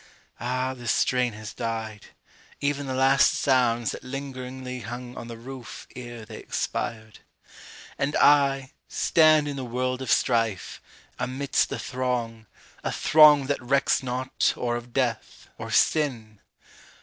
Ah, the strain Has died ev'n the last sounds that lingeringly Hung on the roof ere they expired! And I, Stand in the world of strife, amidst a throng, A throng that recks not or of death, or sin!